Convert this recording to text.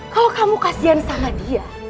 kalau kamu kasian sama dia